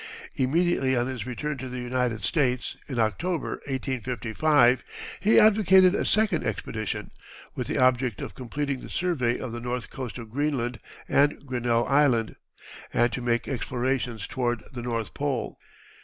Immediately on his return to the United States, in October, 1855, he advocated a second expedition, with the object of completing the survey of the north coast of Greenland and Grinnell Land, and to make explorations toward the North Pole.